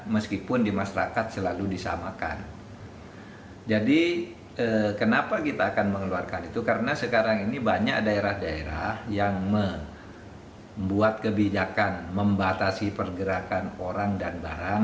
mahfud md menyatakan karantina kewilayahan berbeda dengan istilah lockdown